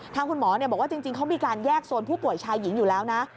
ทางคุณหมอบอกว่าจริงเขามีการแยกโซนผู้ป่วยชายหญิงอยู่แล้วนะ